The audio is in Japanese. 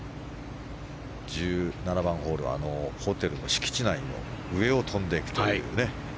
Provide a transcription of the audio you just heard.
１７番ホールはホテルの敷地内の上を飛んでいくというね。